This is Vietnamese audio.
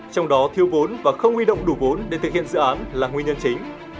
trong đó thiêu vốn và không huy động đủ vốn để thực hiện dự án là nguyên nhân chính